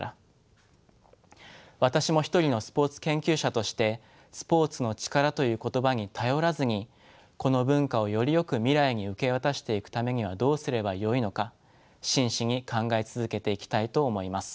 私も一人のスポーツ研究者として「スポーツの力」という言葉に頼らずにこの文化をよりよく未来に受け渡していくためにはどうすればよいのか真摯に考え続けていきたいと思います。